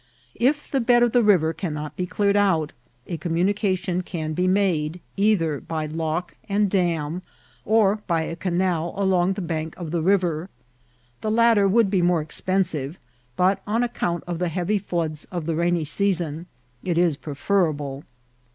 If the bed of the river cannot be cleared out, a communication can be made either by lock and dam, or by a canal along the bank of the riv<> er. The latter would be more expensive, but, on ao«» count of the heavy floods of the rainy season, it is pref«> erable.